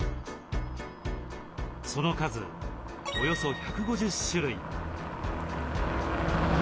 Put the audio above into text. その数およそ１５０種類。